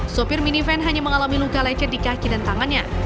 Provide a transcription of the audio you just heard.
sopir minivan hanya mengalami luka leket di kaki dan tangannya